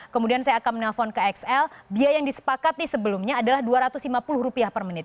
kemudian saya akan menelpon ke xl biaya yang disepakati sebelumnya adalah rp dua ratus lima puluh per menit